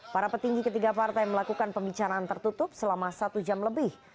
para petinggi ketiga partai melakukan pembicaraan tertutup selama satu jam lebih